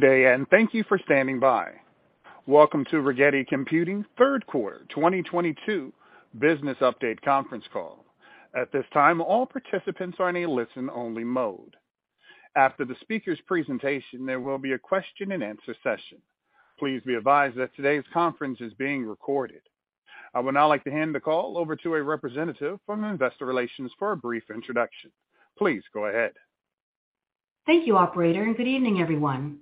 Good day, and thank you for standing by. Welcome to Rigetti Computing third quarter 2022 business update conference call. At this time, all participants are in a listen-only mode. After the speaker's presentation, there will be a question-and-answer session. Please be advised that today's conference is being recorded. I would now like to hand the call over to a representative from Investor Relations for a brief introduction. Please go ahead Thank you, operator, and good evening, everyone.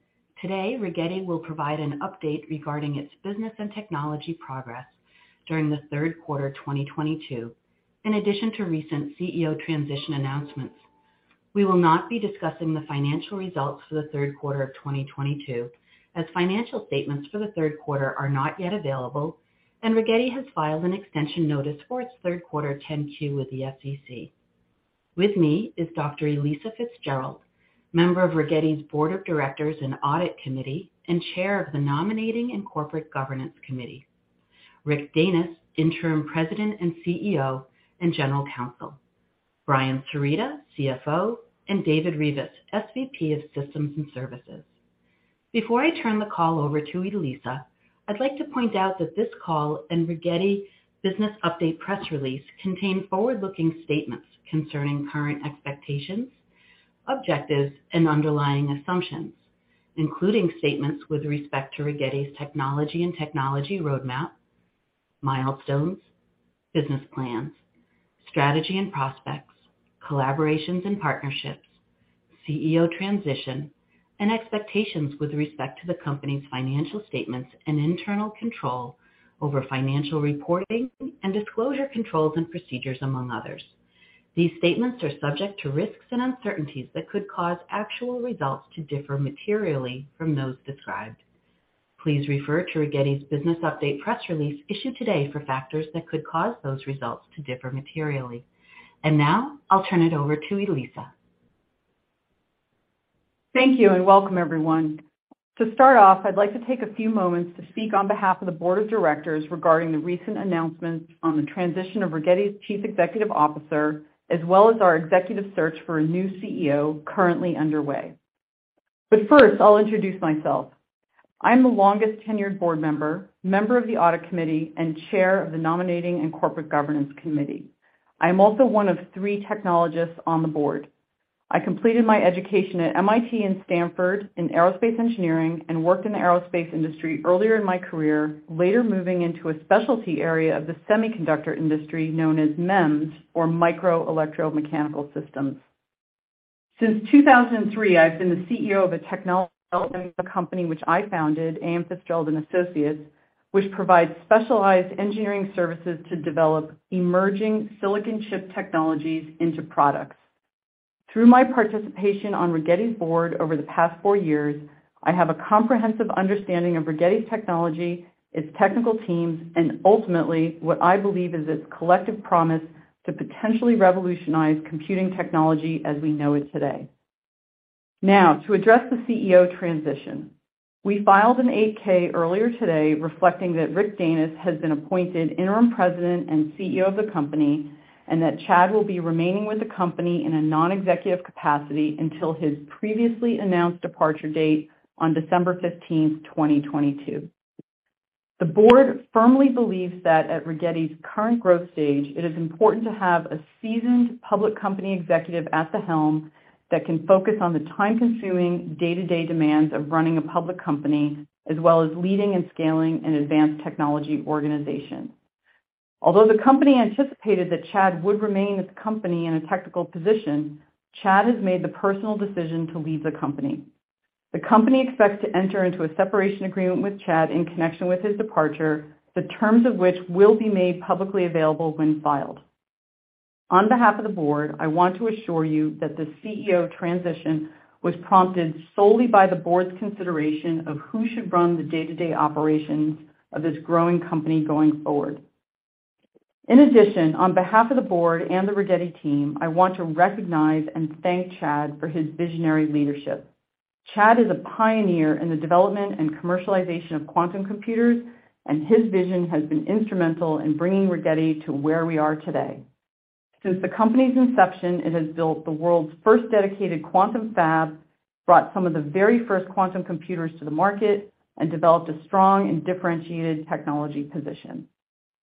Today, Rigetti will provide an update regarding its business and technology progress during the third quarter 2022, in addition to recent CEO transition announcements. We will not be discussing the financial results for the third quarter of 2022, as financial statements for the third quarter are not yet available, and Rigetti has filed an extension notice for its third quarter 10-Q with the SEC. With me is Dr. Alissa Fitzgerald, Member of Rigetti's Board of Directors and Audit Committee, and Chair of the Nominating and Corporate Governance Committee, Rick Danis, Interim President and CEO, and General Counsel, Brian Sereda, CFO, and David Rivas, SVP of Systems and Services. Before I turn the call over to Alissa, I'd like to point out that this call and Rigetti business update press release contain forward-looking statements concerning current expectations, objectives, and underlying assumptions, including statements with respect to Rigetti's technology and technology roadmap, milestones, business plans, strategy and prospects, collaborations and partnerships, CEO transition, and expectations with respect to the company's financial statements and internal control over financial reporting and disclosure controls and procedures, among others. These statements are subject to risks and uncertainties that could cause actual results to differ materially from those described. Please refer to Rigetti's business update press release issued today for factors that could cause those results to differ materially. Now I'll turn it over to Alissa. Thank you, and welcome, everyone. To start off, I'd like to take a few moments to speak on behalf of the board of directors regarding the recent announcements on the transition of Rigetti's Chief Executive Officer, as well as our executive search for a new CEO currently underway. First, I'll introduce myself. I'm the longest-tenured board member of the audit committee, and chair of the nominating and corporate governance committee. I am also one of three technologists on the board. I completed my education at MIT and Stanford in aerospace engineering and worked in the aerospace industry earlier in my career, later moving into a specialty area of the semiconductor industry known as MEMS, or Micro-Electro-Mechanical Systems. Since 2003, I've been the CEO of a technology development company which I founded, A.M. Fitzgerald & Associates, which provides specialized engineering services to develop emerging silicon chip technologies into products. Through my participation on Rigetti's board over the past four years, I have a comprehensive understanding of Rigetti's technology, its technical teams, and ultimately, what I believe is its collective promise to potentially revolutionize computing technology as we know it today. Now, to address the CEO transition, we filed an 8-K earlier today reflecting that Rick Danis has been appointed interim president and CEO of the company, and that Chad will be remaining with the company in a non-executive capacity until his previously announced departure date on December 15th, 2022. The board firmly believes that at Rigetti's current growth stage, it is important to have a seasoned public company executive at the helm that can focus on the time-consuming day-to-day demands of running a public company, as well as leading and scaling an advanced technology organization. Although the company anticipated that Chad would remain with the company in a technical position, Chad has made the personal decision to leave the company. The company expects to enter into a separation agreement with Chad in connection with his departure, the terms of which will be made publicly available when filed. On behalf of the board, I want to assure you that the CEO transition was prompted solely by the board's consideration of who should run the day-to-day operations of this growing company going forward. In addition, on behalf of the board and the Rigetti team, I want to recognize and thank Chad for his visionary leadership. Chad is a pioneer in the development and commercialization of quantum computers, and his vision has been instrumental in bringing Rigetti to where we are today. Since the company's inception, it has built the world's first dedicated quantum fab, brought some of the very first quantum computers to the market, and developed a strong and differentiated technology position.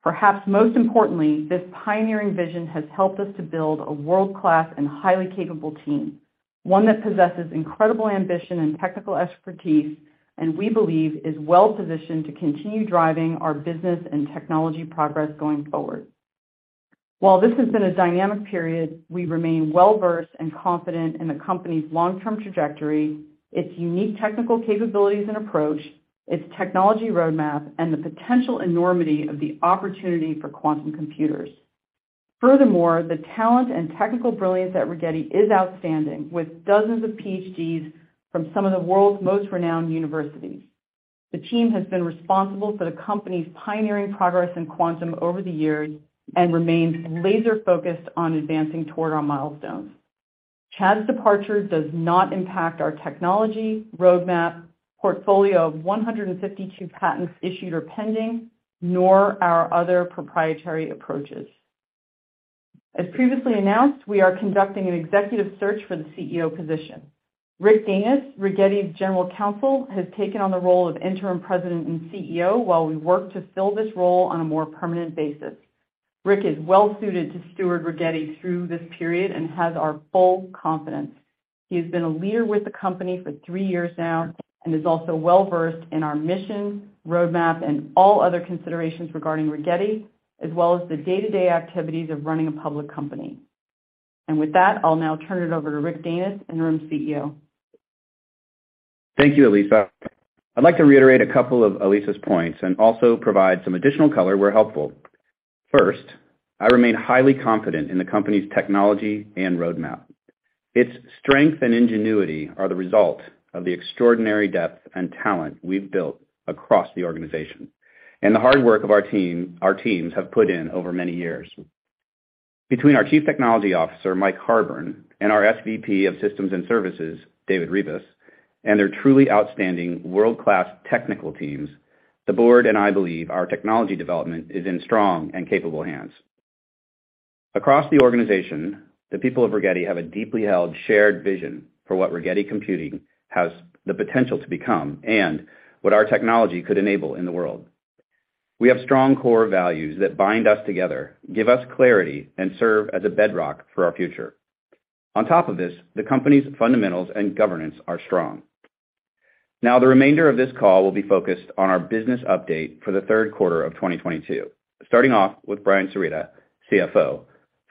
Perhaps most importantly, this pioneering vision has helped us to build a world-class and highly capable team, one that possesses incredible ambition and technical expertise, and we believe is well-positioned to continue driving our business and technology progress going forward. While this has been a dynamic period, we remain well-versed and confident in the company's long-term trajectory, its unique technical capabilities and approach, its technology roadmap, and the potential enormity of the opportunity for quantum computers. Furthermore, the talent and technical brilliance at Rigetti is outstanding, with dozens of PhDs from some of the world's most renowned universities. The team has been responsible for the company's pioneering progress in quantum over the years and remains laser-focused on advancing toward our milestones. Chad's departure does not impact our technology, roadmap, portfolio of 152 patents issued or pending, nor our other proprietary approaches. As previously announced, we are conducting an executive search for the CEO position. Rick Danis, Rigetti's General Counsel, has taken on the role of Interim President and CEO while we work to fill this role on a more permanent basis. Rick is well suited to steward Rigetti through this period and has our full confidence. He has been a leader with the company for three years now and is also well-versed in our mission, roadmap, and all other considerations regarding Rigetti, as well as the day-to-day activities of running a public company. With that, I'll now turn it over to Rick Danis, Interim CEO. Thank you, Alissa. I'd like to reiterate a couple of Alissa's points and also provide some additional color where helpful. First, I remain highly confident in the company's technology and roadmap. Its strength and ingenuity are the result of the extraordinary depth and talent we've built across the organization and the hard work of our teams have put in over many years. Between our Chief Technology Officer, Mike Harburn, and our SVP of Systems and Services, David Rivas, and their truly outstanding world-class technical teams, the board and I believe our technology development is in strong and capable hands. Across the organization, the people of Rigetti have a deeply held, shared vision for what Rigetti Computing has the potential to become and what our technology could enable in the world. We have strong core values that bind us together, give us clarity, and serve as a bedrock for our future. On top of this, the company's fundamentals and governance are strong. Now, the remainder of this call will be focused on our business update for the third quarter of 2022, starting off with Brian Sereda, CFO,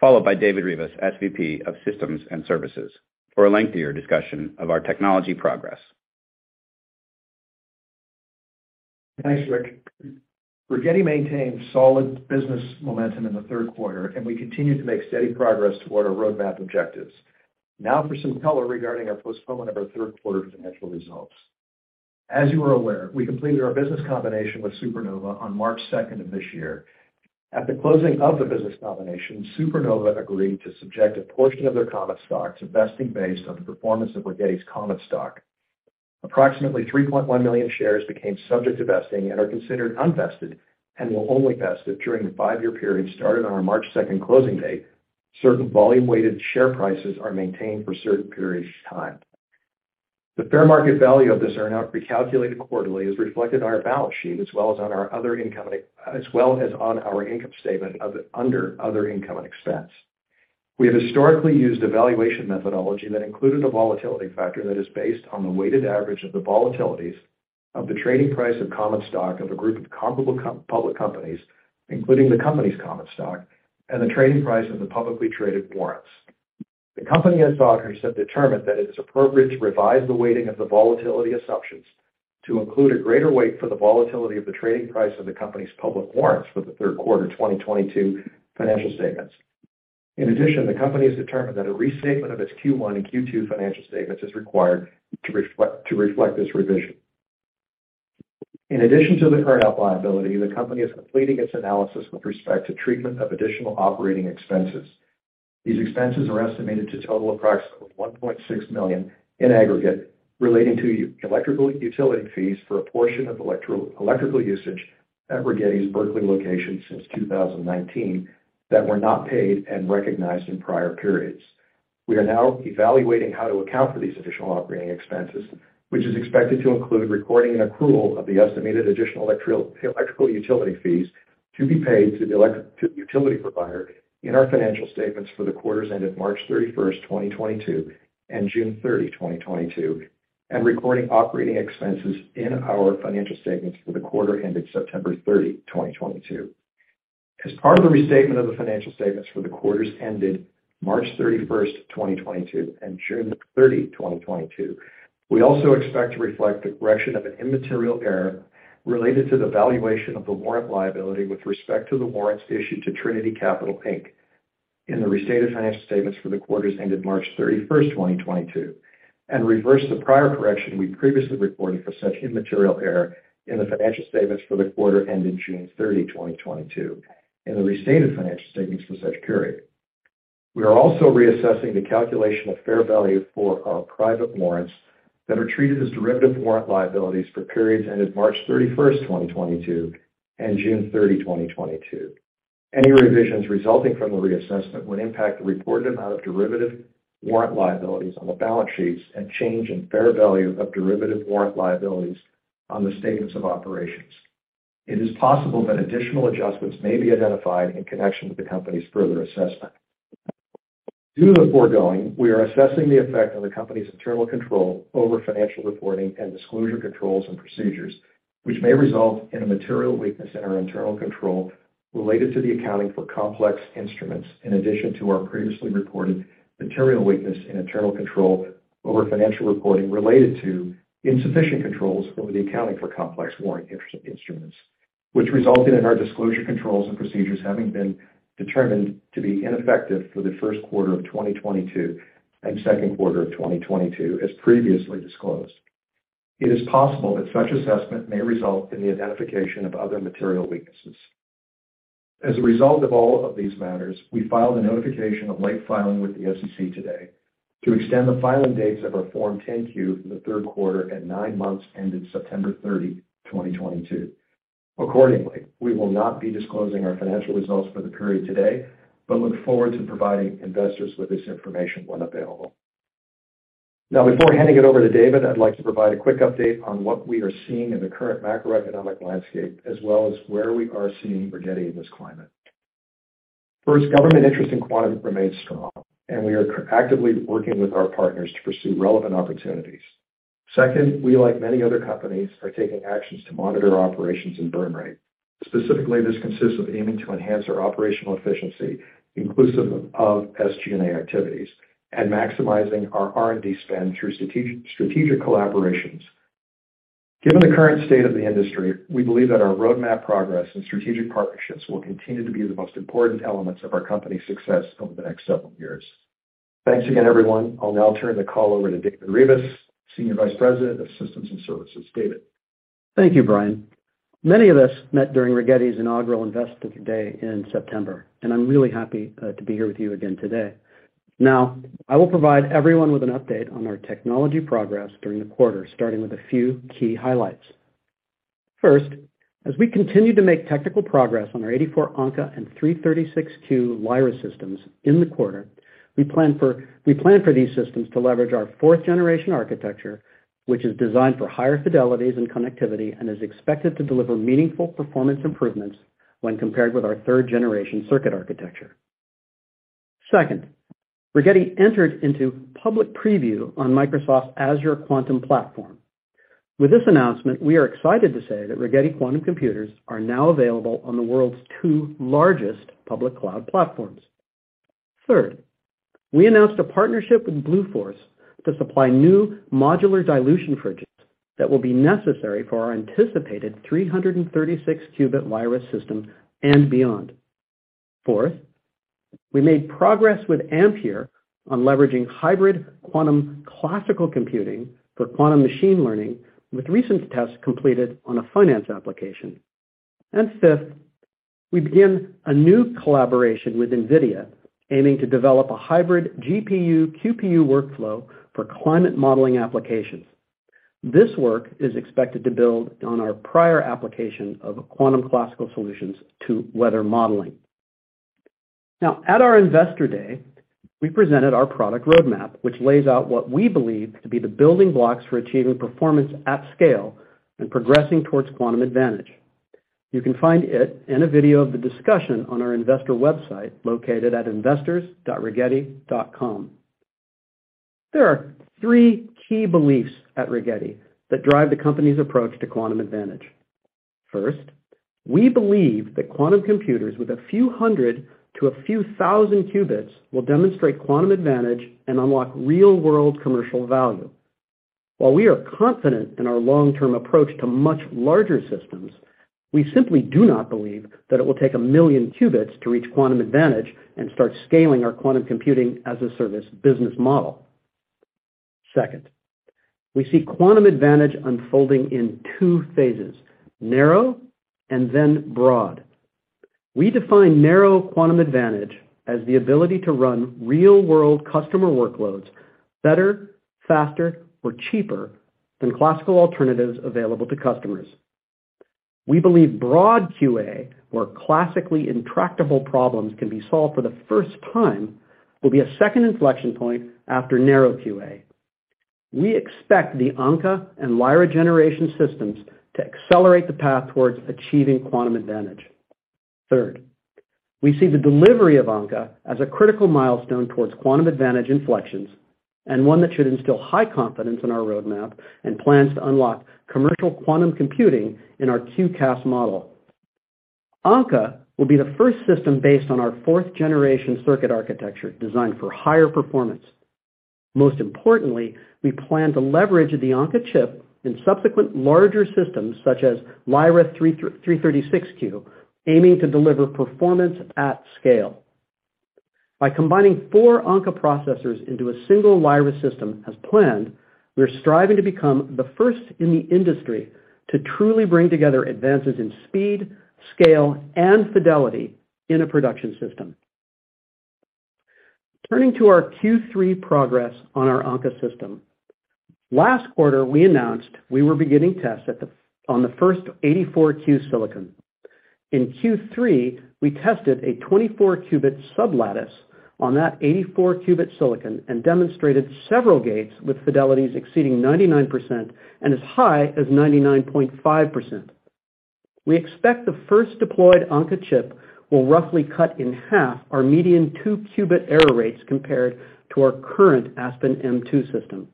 followed by David Rivas, SVP of Systems & Services, for a lengthier discussion of our technology progress. Thanks, Rick. Rigetti maintained solid business momentum in the third quarter, and we continue to make steady progress toward our roadmap objectives. Now for some color regarding our postponement of our third quarter financial results. As you are aware, we completed our business combination with Supernova on March second of this year. At the closing of the business combination, Supernova agreed to subject a portion of their common stock to vesting based on the performance of Rigetti's common stock. Approximately 3.1 million shares became subject to vesting and are considered unvested and will only vest if during the five-year period started on our March second closing date, certain volume-weighted share prices are maintained for certain periods of time. The fair market value of this earn-out recalculated quarterly is reflected on our balance sheet as well as on our income statement under other income and expense. We have historically used a valuation methodology that included a volatility factor that is based on the weighted average of the volatilities of the trading price of common stock of a group of comparable public companies, including the company's common stock and the trading price of the publicly traded warrants. The company and its auditors have determined that it is appropriate to revise the weighting of the volatility assumptions to include a greater weight for the volatility of the trading price of the company's public warrants for the third quarter 2022 financial statements. In addition, the company has determined that a restatement of its Q1 and Q2 financial statements is required to reflect this revision. In addition to the earn-out liability, the company is completing its analysis with respect to treatment of additional operating expenses. These expenses are estimated to total approximately $1.6 million in aggregate relating to electrical utility fees for a portion of electrical usage at Rigetti's Berkeley location since 2019 that were not paid and recognized in prior periods. We are now evaluating how to account for these additional operating expenses, which is expected to include recording an accrual of the estimated additional electrical utility fees to be paid to the utility provider in our financial statements for the quarters ended March 31st, 2022 and June 30th, 2022, and recording operating expenses in our financial statements for the quarter ended September 30th, 2022. As part of the restatement of the financial statements for the quarters ended March 31st, 2022 and June 30th, 2022, we also expect to reflect the correction of an immaterial error related to the valuation of the warrant liability with respect to the warrants issued to Trinity Capital Inc. in the restated financial statements for the quarters ended March 31st, 2022, and reverse the prior correction we previously reported for such immaterial error in the financial statements for the quarter ending June 30th, 2022, and the restated financial statements for such period. We are also reassessing the calculation of fair value for our private warrants that are treated as derivative warrant liabilities for periods ended March 31st, 2022 and June 30th, 2022. Any revisions resulting from the reassessment would impact the reported amount of derivative warrant liabilities on the balance sheets and change in fair value of derivative warrant liabilities on the statements of operations. It is possible that additional adjustments may be identified in connection with the company's further assessment. Due to the foregoing, we are assessing the effect on the company's internal control over financial reporting and disclosure controls and procedures, which may result in a material weakness in our internal control related to the accounting for complex instruments, in addition to our previously reported material weakness in internal control over financial reporting related to insufficient controls over the accounting for complex warrant instruments, which resulted in our disclosure controls and procedures having been determined to be ineffective for the first quarter of 2022 and second quarter of 2022, as previously disclosed. It is possible that such assessment may result in the identification of other material weaknesses. As a result of all of these matters, we filed a notification of late filing with the SEC today to extend the filing dates of our Form 10-Q for the third quarter and nine months ended September 30th, 2022. Accordingly, we will not be disclosing our financial results for the period today, but look forward to providing investors with this information when available. Now, before handing it over to David, I'd like to provide a quick update on what we are seeing in the current macroeconomic landscape, as well as where we are seeing Rigetti in this climate. First, government interest in quantum remains strong, and we are actively working with our partners to pursue relevant opportunities. Second, we, like many other companies, are taking actions to monitor operations and burn rate. Specifically, this consists of aiming to enhance our operational efficiency, inclusive of SG&A activities and maximizing our R&D spend through strategic collaborations. Given the current state of the industry, we believe that our roadmap progress and strategic partnerships will continue to be the most important elements of our company's success over the next several years. Thanks again, everyone. I'll now turn the call over to David Rivas, Senior Vice President of Systems and Services. David? Thank you, Brian. Many of us met during Rigetti's inaugural Investor Day in September, and I'm really happy to be here with you again today. Now, I will provide everyone with an update on our technology progress during the quarter, starting with a few key highlights. First, as we continue to make technical progress on our 84 Ankaa and 336 Lyra systems in the quarter, we plan for these systems to leverage our fourth-generation architecture, which is designed for higher fidelities and connectivity and is expected to deliver meaningful performance improvements when compared with our third-generation circuit architecture. Second, Rigetti entered into public preview on Microsoft's Azure Quantum platform. With this announcement, we are excited to say that Rigetti quantum computers are now available on the world's two largest public cloud platforms. Third, we announced a partnership with Bluefors to supply new modular dilution fridges that will be necessary for our anticipated 336-qubit Lyra system and beyond. Fourth, we made progress with Ampere on leveraging hybrid quantum classical computing for quantum machine learning, with recent tests completed on a finance application. Fifth, we began a new collaboration with Nvidia aiming to develop a hybrid GPU QPU workflow for climate modeling applications. This work is expected to build on our prior application of quantum classical solutions to weather modeling. Now, at our Investor Day, we presented our product roadmap, which lays out what we believe to be the building blocks for achieving performance at scale and progressing towards quantum advantage. You can find it in a video of the discussion on our investor website located at investors.rigetti.com. There are three key beliefs at Rigetti that drive the company's approach to quantum advantage. First, we believe that quantum computers with a few hundred to a few thousand qubits will demonstrate quantum advantage and unlock real-world commercial value. While we are confident in our long-term approach to much larger systems, we simply do not believe that it will take a million qubits to reach quantum advantage and start scaling our quantum computing as a service business model. Second, we see quantum advantage unfolding in two phases, narrow and then broad. We define narrow quantum advantage as the ability to run real-world customer workloads better, faster, or cheaper than classical alternatives available to customers. We believe broad QA, where classically intractable problems can be solved for the first time, will be a second inflection point after narrow QA. We expect the Ankaa and Lyra generation systems to accelerate the path towards achieving quantum advantage. Third, we see the delivery of Ankaa as a critical milestone towards quantum advantage inflections, and one that should instill high confidence in our roadmap and plans to unlock commercial quantum computing in our QAS model. Ankaa will be the first system based on our fourth-generation circuit architecture designed for higher performance. Most importantly, we plan to leverage the Ankaa chip in subsequent larger systems such as Lyra 336 Q, aiming to deliver performance at scale. By combining four Ankaa processors into a single Lyra system, as planned, we are striving to become the first in the industry to truly bring together advances in speed, scale, and fidelity in a production system. Turning to our Q3 progress on our Ankaa system. Last quarter, we announced we were beginning tests on the first 84-qubit silicon. In Q3, we tested a 24-qubit sublattice on that 84-qubit silicon and demonstrated several gates with fidelities exceeding 99% and as high as 99.5%. We expect the first deployed Ankaa chip will roughly cut in half our median two-qubit error rates compared to our current Aspen-M-2 system.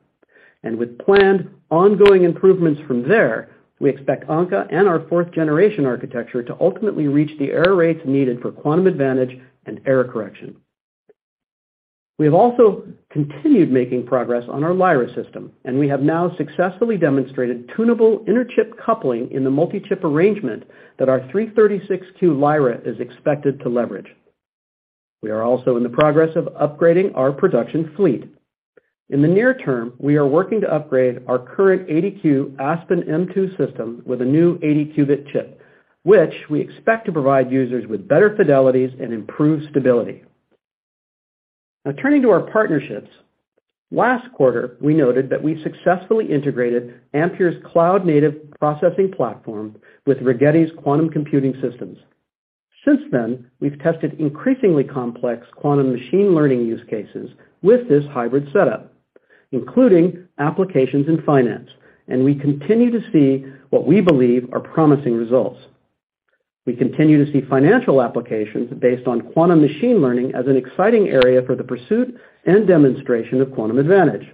With planned ongoing improvements from there, we expect Ankaa and our fourth generation architecture to ultimately reach the error rates needed for quantum advantage and error correction. We have also continued making progress on our Lyra system, and we have now successfully demonstrated tunable interchip coupling in the multi-chip arrangement that our 336-qubit Lyra is expected to leverage. We are also in progress of upgrading our production fleet. In the near term, we are working to upgrade our current 80-qubit Aspen-M-2 system with a new 80-qubit chip, which we expect to provide users with better fidelities and improved stability. Now turning to our partnerships. Last quarter, we noted that we successfully integrated Ampere's cloud-native processing platform with Rigetti's quantum computing systems. Since then, we've tested increasingly complex quantum machine learning use cases with this hybrid setup, including applications in finance, and we continue to see what we believe are promising results. We continue to see financial applications based on quantum machine learning as an exciting area for the pursuit and demonstration of quantum advantage.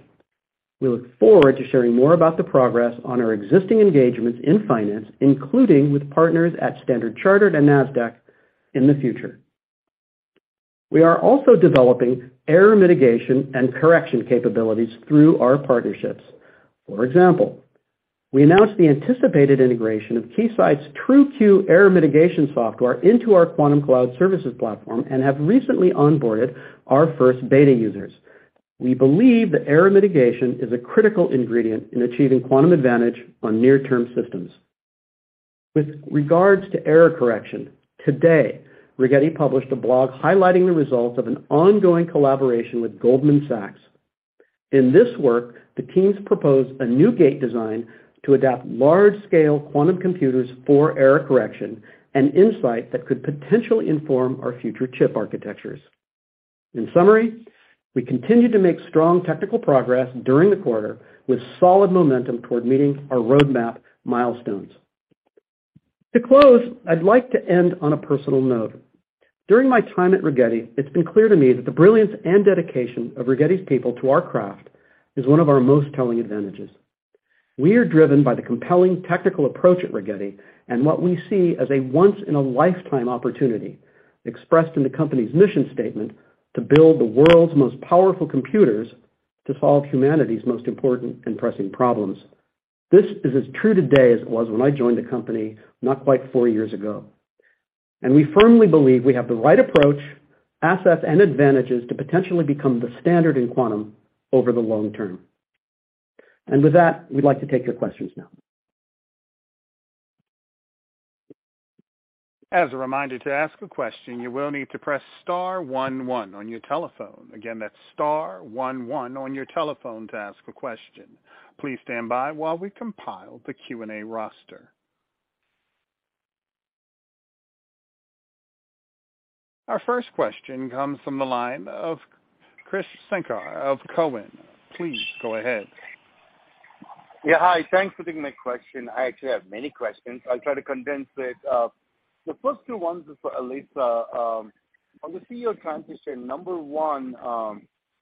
We look forward to sharing more about the progress on our existing engagements in finance, including with partners at Standard Chartered and Nasdaq in the future. We are also developing error mitigation and correction capabilities through our partnerships. For example, we announced the anticipated integration of Keysight's TrueQ error mitigation software into our quantum cloud services platform and have recently onboarded our first beta users. We believe that error mitigation is a critical ingredient in achieving quantum advantage on near-term systems. With regards to error correction, today, Rigetti published a blog highlighting the results of an ongoing collaboration with Goldman Sachs. In this work, the teams proposed a new gate design to adapt large-scale quantum computers for error correction and insight that could potentially inform our future chip architectures. In summary, we continued to make strong technical progress during the quarter with solid momentum toward meeting our roadmap milestones. To close, I'd like to end on a personal note. During my time at Rigetti, it's been clear to me that the brilliance and dedication of Rigetti's people to our craft is one of our most telling advantages. We are driven by the compelling technical approach at Rigetti and what we see as a once-in-a-lifetime opportunity expressed in the company's mission statement to build the world's most powerful computers to solve humanity's most important and pressing problems. This is as true today as it was when I joined the company not quite four years ago, and we firmly believe we have the right approach, assets, and advantages to potentially become the standard in quantum over the long term. With that, we'd like to take your questions now. As a reminder, to ask a question, you will need to press star one one on your telephone. Again, that's star one one on your telephone to ask a question. Please stand by while we compile the Q&A roster. Our first question comes from the line of Krish Sankar of Cowen. Please go ahead. Yeah. Hi. Thanks for taking my question. I actually have many questions. I'll try to condense it. The first two ones is for Alissa. On the CEO transition, number one,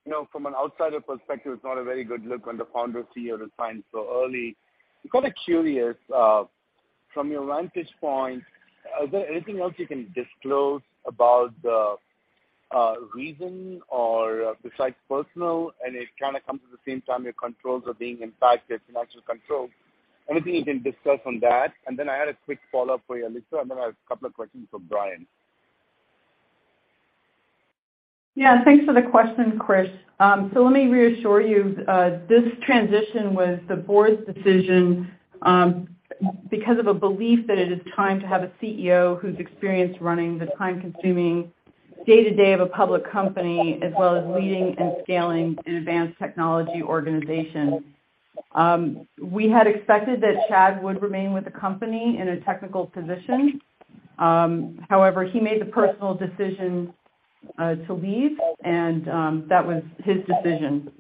you know, from an outsider perspective, it's not a very good look when the founder CEO resigns so early. I'm kind of curious, from your vantage point, are there anything else you can disclose about the reason or besides personal, and it kind of comes at the same time your controls are being impacted, financial control? Anything you can discuss on that? I had a quick follow-up for you, Alissa, and then I have a couple of questions for Brian. Yeah. Thanks for the question, Krish. Let me reassure you, this transition was the board's decision, because of a belief that it is time to have a CEO who's experienced running the time-consuming day-to-day of a public company as well as leading and scaling an advanced technology organization. We had expected that Chad would remain with the company in a technical position. However, he made the personal decision to leave, and that was his decision.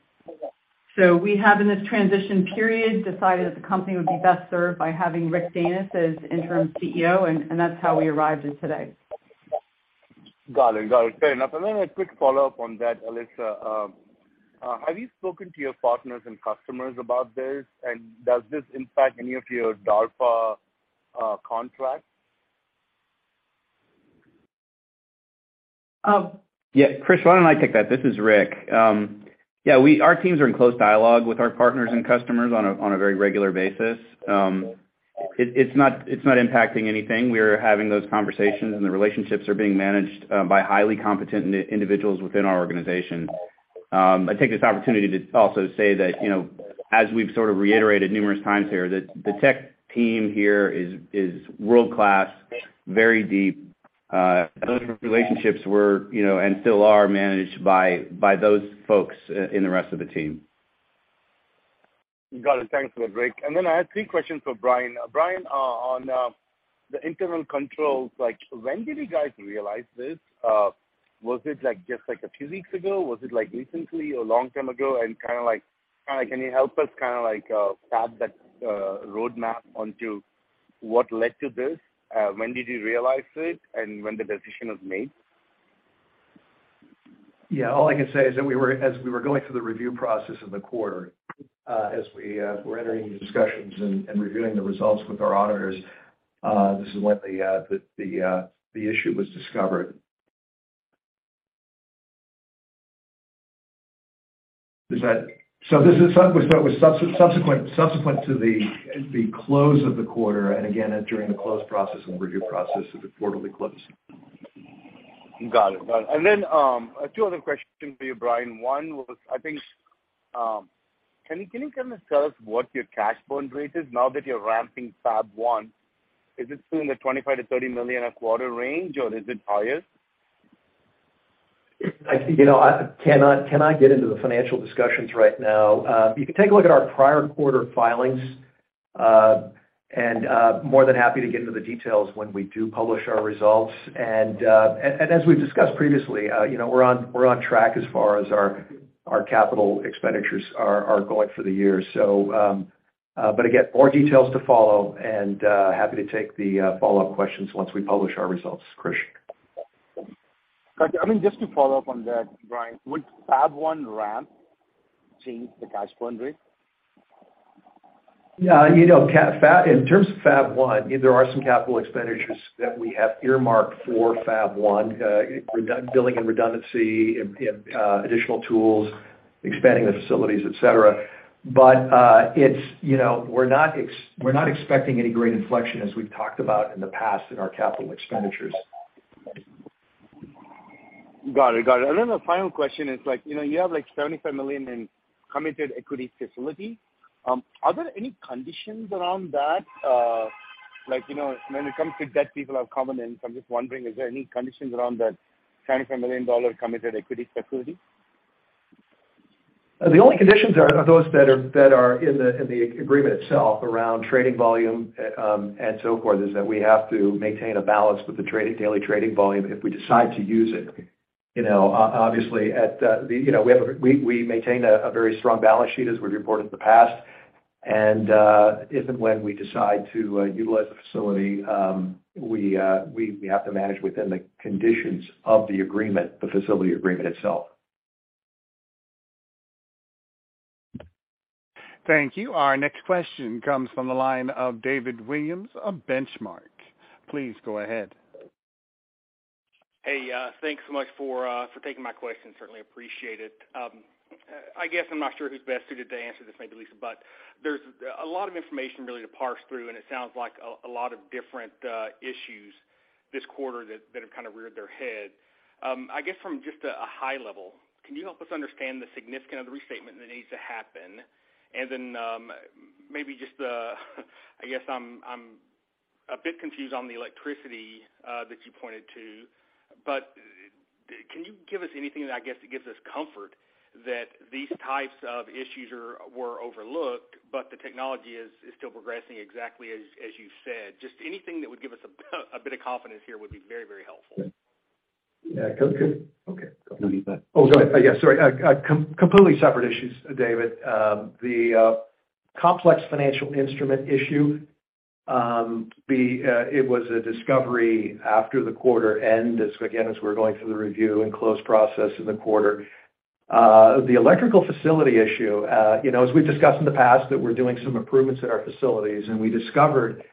We have, in this transition period, decided that the company would be best served by having Rick Danis as interim CEO, and that's how we arrived at today. Got it. Fair enough. A quick follow-up on that, Alissa. Have you spoken to your partners and customers about this? Does this impact any of your DARPA contracts? Um- Yeah, Krish, why don't I take that? This is Rick. Yeah, our teams are in close dialogue with our partners and customers on a very regular basis. It's not impacting anything. We are having those conversations, and the relationships are being managed by highly competent individuals within our organization. I take this opportunity to also say that, you know, as we've sort of reiterated numerous times here, that the tech team here is world-class, very deep. Those relationships were, you know, and still are managed by those folks in the rest of the team. Got it. Thanks for that, Rick. I had three questions for Brian. Brian, on the internal controls, like, when did you guys realize this? Was it, like, just, like, a few weeks ago? Was it, like, recently or long time ago? Kinda like, can you help us kinda, like, map that roadmap onto what led to this? When did you realize it, and when the decision was made? All I can say is that as we were going through the review process of the quarter, as we were entering into discussions and reviewing the results with our auditors, this is when the issue was discovered. It was subsequent to the close of the quarter and again during the close process and review process of the quarterly close. Got it. Two other questions for you, Brian. One was, I think, can you kind of tell us what your cash burn rate is now that you're ramping Fab One? Is it still in the $25 million-$30 million a quarter range or is it higher? I see. You know, I cannot get into the financial discussions right now. You can take a look at our prior quarter filings. More than happy to get into the details when we do publish our results. As we've discussed previously, you know, we're on track as far as our capital expenditures are going for the year. Again, more details to follow and happy to take the follow-up questions once we publish our results, Krish. I mean, just to follow up on that, Brian, would Fab One ramp change the cash burn rate? Yeah, you know, in terms of Fab One, there are some capital expenditures that we have earmarked for Fab One, building in redundancy, in additional tools, expanding the facilities, et cetera. It's, you know, we're not expecting any great inflection as we've talked about in the past in our capital expenditures. Got it. The final question is like, you know, you have like $75 million in committed equity facility. Are there any conditions around that? Like, you know, when it comes to debt, people have covenants. I'm just wondering, is there any conditions around that $25 million committed equity facility? The only conditions are those that are in the agreement itself around trading volume and so forth is that we have to maintain a balance with the daily trading volume if we decide to use it. You know, obviously, you know, we maintain a very strong balance sheet as we've reported in the past. If and when we decide to utilize the facility, we have to manage within the conditions of the agreement, the facility agreement itself. Thank you. Our next question comes from the line of David Williams of Benchmark. Please go ahead. Hey, thanks so much for taking my question. Certainly appreciate it. I guess I'm not sure who's best suited to answer this, maybe Lisa, but there's a lot of information really to parse through, and it sounds like a lot of different issues this quarter that have kind of reared their head. I guess from just a high level, can you help us understand the significance of the restatement that needs to happen? Maybe just, I guess I'm a bit confused on the electricity that you pointed to. Can you give us anything that gives us comfort that these types of issues were overlooked, but the technology is still progressing exactly as you've said? Just anything that would give us a bit of confidence here would be very, very helpful. Yeah. Go. Okay. No, you go ahead. Oh, go ahead. Yeah, sorry. Completely separate issues, David. The complex financial instrument issue, it was a discovery after the quarter end as again as we were going through the review and close process in the quarter. The electrical facility issue, you know, as we've discussed in the past that we're doing some improvements at our facilities, and we discovered.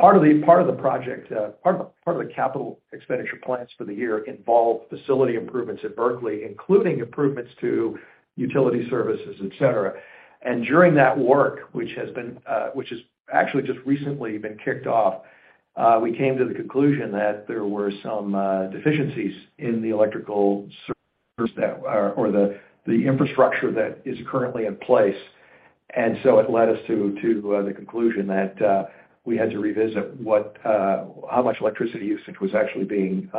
Part of the project, part of the capital expenditure plans for the year involve facility improvements at Berkeley, including improvements to utility services, et cetera. During that work, which has actually just recently been kicked off, we came to the conclusion that there were some deficiencies in the electrical service that or the infrastructure that is currently in place. It led us to the conclusion that we had to revisit how much electricity usage was actually being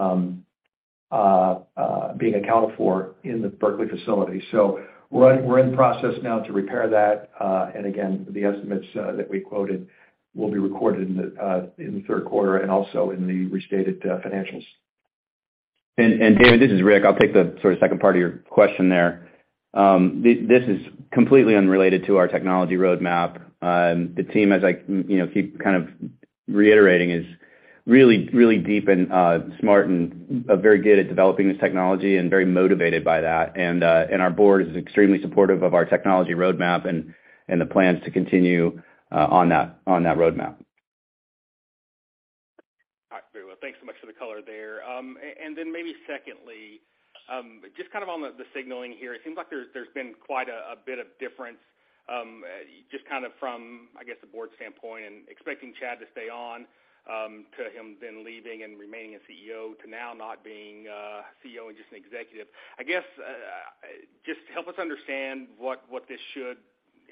accounted for in the Berkeley facility. We're in the process now to repair that. Again, the estimates that we quoted will be recorded in the third quarter and also in the restated financials. David, this is Rick. I'll take the sort of second part of your question there. This is completely unrelated to our technology roadmap. The team as I, you know, keep kind of reiterating, is really deep and smart and very good at developing this technology and very motivated by that. Our board is extremely supportive of our technology roadmap and the plans to continue on that roadmap. All right. Very well. Thanks so much for the color there. And then maybe secondly, just kind of on the signaling here, it seems like there's been quite a bit of difference, just kind of from, I guess, the board standpoint and expecting Chad to stay on, to him then leaving and remaining a CEO to now not being CEO and just an executive. I guess, just help us understand what this should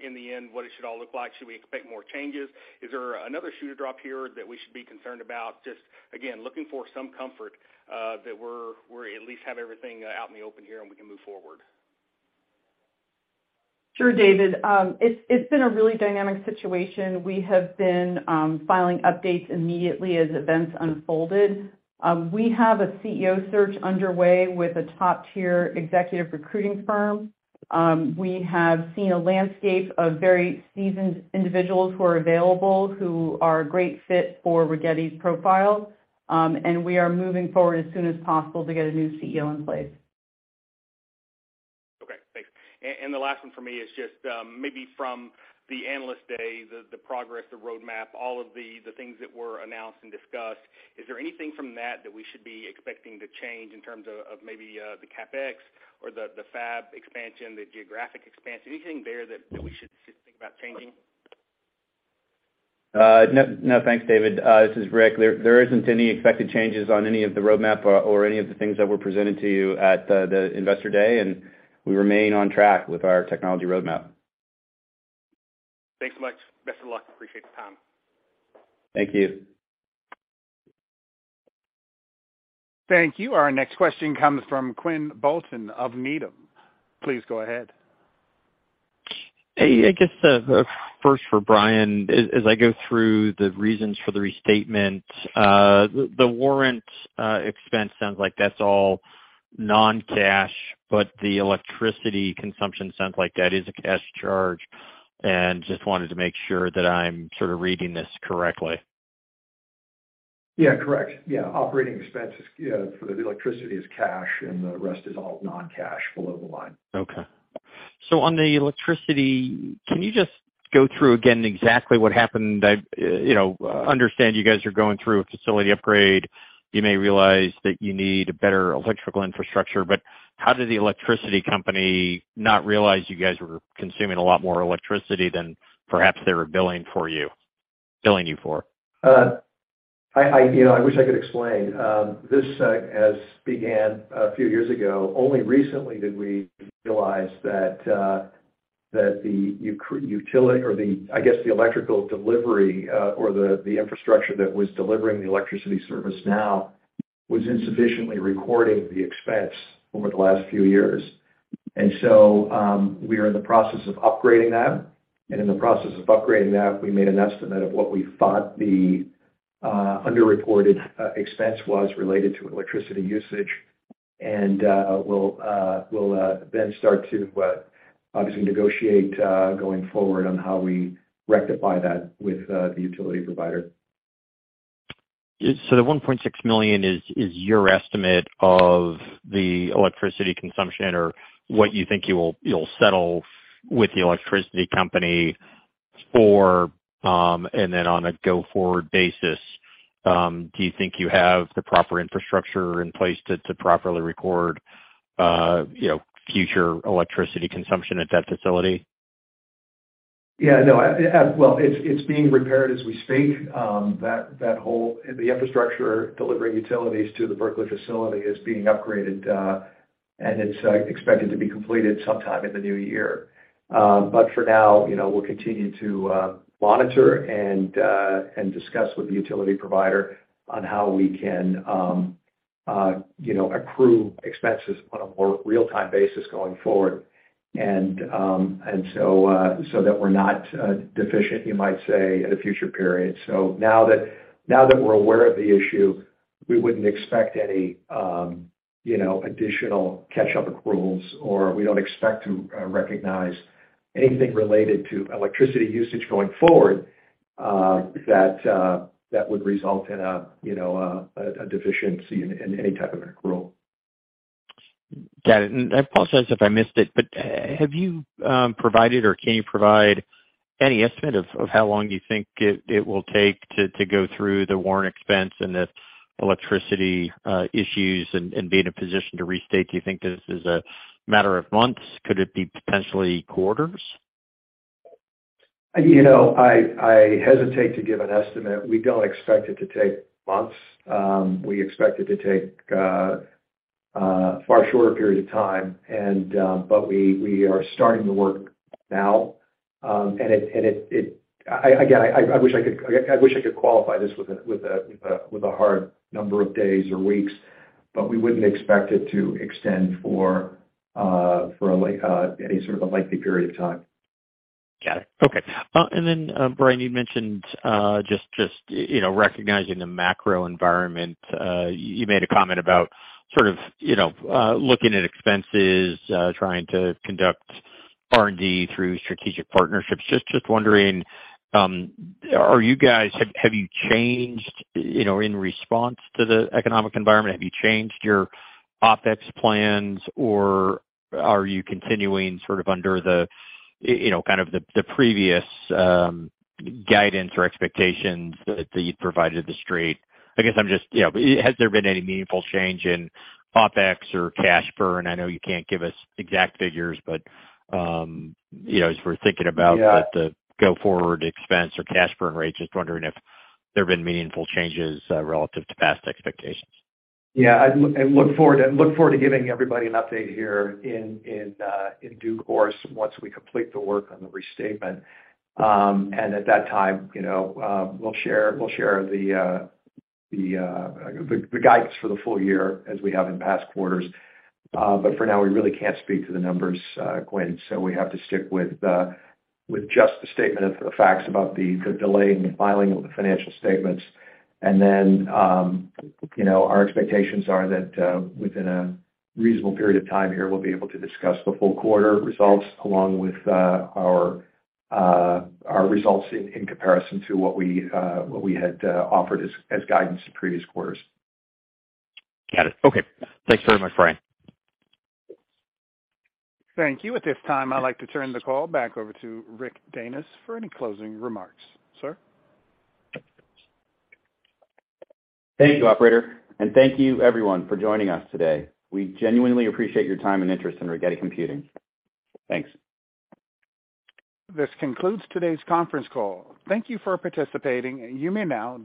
in the end, what it should all look like. Should we expect more changes? Is there another shoe to drop here that we should be concerned about? Just again, looking for some comfort, that we're at least have everything out in the open here, and we can move forward. Sure, David. It's been a really dynamic situation. We have been filing updates immediately as events unfolded. We have a CEO search underway with a top-tier executive recruiting firm. We have seen a landscape of very seasoned individuals who are available, who are a great fit for Rigetti's profile. We are moving forward as soon as possible to get a new CEO in place. Okay, thanks. The last one for me is just maybe from the analyst day, the progress, the roadmap, all of the things that were announced and discussed. Is there anything from that that we should be expecting to change in terms of maybe the CapEx or the fab expansion, the geographic expansion? Anything there that we should think about changing? No, thanks, David. This is Rick. There isn't any expected changes on any of the roadmap or any of the things that were presented to you at the investor day, and we remain on track with our technology roadmap. Thanks much. Best of luck. Appreciate the time. Thank you. Thank you. Our next question comes from Quinn Bolton of Needham. Please go ahead. Hey, I guess, first for Brian, as I go through the reasons for the restatement, the warrant expense sounds like that's all non-cash, but the electricity consumption sounds like that is a cash charge. Just wanted to make sure that I'm sort of reading this correctly? Yeah. Correct. Yeah. Operating expenses, you know, for the electricity is cash, and the rest is all non-cash below the line. Okay. On the electricity, can you just go through again exactly what happened? I, you know, understand you guys are going through a facility upgrade. You may realize that you need a better electrical infrastructure, but how did the electricity company not realize you guys were consuming a lot more electricity than perhaps they were billing you for? You know, I wish I could explain. This has began a few years ago. Only recently did we realize that the utility, or the, I guess, electrical delivery, or the infrastructure that was delivering the electricity service now was insufficiently recording the expense over the last few years. We are in the process of upgrading that. In the process of upgrading that, we made an estimate of what we thought the underreported expense was related to electricity usage. We'll then start to obviously negotiate going forward on how we rectify that with the utility provider. The $1.6 million is your estimate of the electricity consumption or what you think you'll settle with the electricity company for, and then on a go-forward basis, do you think you have the proper infrastructure in place to properly record, you know, future electricity consumption at that facility? Yeah, no. Well, it's being repaired as we speak. That whole infrastructure delivering utilities to the Berkeley facility is being upgraded, and it's expected to be completed sometime in the new year. But for now, you know, we'll continue to monitor and discuss with the utility provider on how we can, you know, accrue expenses on a more real-time basis going forward so that we're not deficient, you might say, at a future period. Now that we're aware of the issue, we wouldn't expect any, you know, additional catch-up accruals or we don't expect to recognize anything related to electricity usage going forward, that would result in a, you know, deficiency in any type of accrual. Got it. I apologize if I missed it, but have you provided or can you provide any estimate of how long you think it will take to go through the warrant expense and the electricity issues and be in a position to restate? Do you think this is a matter of months? Could it be potentially quarters? You know, I hesitate to give an estimate. We don't expect it to take months. We expect it to take far shorter period of time, but we are starting the work now. I wish I could qualify this with a hard number of days or weeks, but we wouldn't expect it to extend for any sort of a likely period of time. Got it. Okay. Brian, you mentioned just you know recognizing the macro environment. You made a comment about sort of you know looking at expenses, trying to conduct R&D through strategic partnerships. Just wondering, have you changed you know in response to the economic environment, have you changed your OpEx plans or are you continuing sort of under the you know kind of the previous guidance or expectations that you'd provided the street? I guess I'm just you know has there been any meaningful change in OpEx or cash burn? I know you can't give us exact figures, but you know as we're thinking about Yeah. The go-forward expense or cash burn rates, just wondering if there have been meaningful changes relative to past expectations. Yeah. I look forward to giving everybody an update here in due course once we complete the work on the restatement. At that time, you know, we'll share the guidance for the full-year as we have in past quarters. But for now, we really can't speak to the numbers, Quinn. We have to stick with just the statement of the facts about the delay in the filing of the financial statements. Then, you know, our expectations are that within a reasonable period of time here, we'll be able to discuss the full quarter results along with our results in comparison to what we had offered as guidance in previous quarters. Got it. Okay. Thanks very much, Brian. Thank you. At this time, I'd like to turn the call back over to Rick Danis for any closing remarks. Sir? Thank you, operator, and thank you everyone for joining us today. We genuinely appreciate your time and interest in Rigetti Computing. Thanks. This concludes today's conference call. Thank you for participating. You may now disconnect.